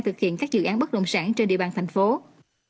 và thực hiện các dự án bất động sản trên địa bàn tp hcm